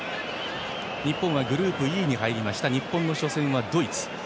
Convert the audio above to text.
日本はグループＥに入りました日本の初戦はドイツ。